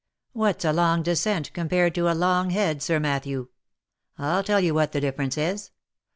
What's a long descent compared to a longhead, Sir Matthew? I'll tell you what the difference is.